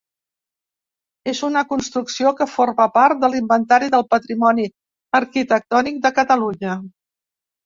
És una construcció que forma part de l'Inventari del Patrimoni Arquitectònic de Catalunya.